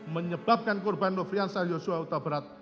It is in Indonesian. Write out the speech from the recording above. menyebabkan korban nofriansah yosua utabarat